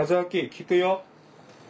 聞くよ？